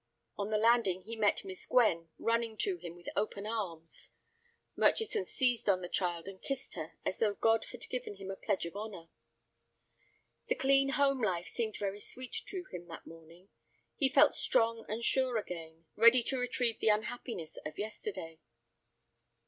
On the landing he met Miss Gwen running to him with open arms. Murchison seized on the child, and kissed her, as though God had given him a pledge of honor. The clean home life seemed very sweet to him that morning. He felt strong and sure again, ready to retrieve the unhappiness of yesterday.